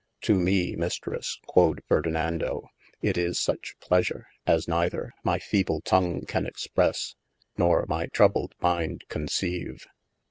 To me Mistresse quod Fardinando, it is suche pleasure, as neyther my feeble tongue can expresse, nor my troubled mind conceyve.